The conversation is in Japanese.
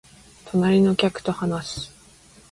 隣の客と話す